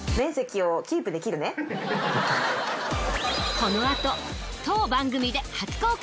このあと当番組で初公開！